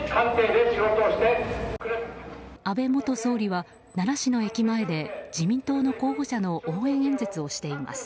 安倍元総理は、奈良市の駅前で自民党の候補者の応援演説をしています。